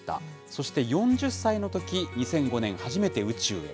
そして、４０歳のとき、２００５年、初めて宇宙へ。